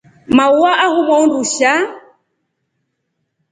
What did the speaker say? Maua ahumwaa undusha.